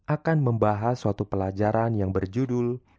akan membahas suatu pelajaran yang berjudul